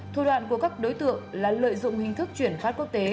thủ đoạn của các đối tượng là lợi dụng hình thức chuyển phát quốc tế